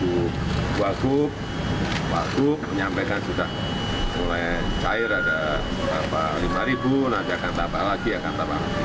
untuk waktu menyampaikan sudah mulai cair ada lima ribu nanti akan tambah lagi akan tambah lagi